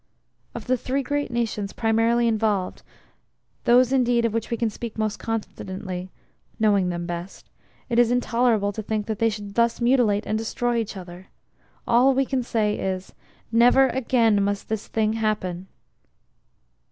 Of the three great nations primarily involved those indeed of which we can speak most confidently, knowing them best it is intolerable to think they should thus mutilate and destroy each other. All we can say is: Never again must this thing happen!